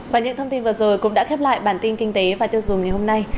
và những thông tin vừa rồi cũng đã khép lại bản tin kinh tế và tiêu dùng ngày hôm nay